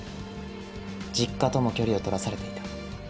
実家とも距離を取らされていた。